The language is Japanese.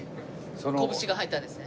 拳が入ったんですね。